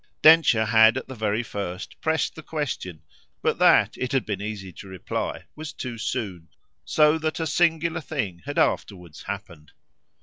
Densher had at the very first pressed the question, but that, it had been easy to reply, was too soon; so that a singular thing had afterwards happened.